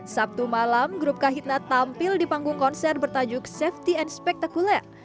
sabtu malam grup kahitna tampil di panggung konser bertajuk safety and spectaculer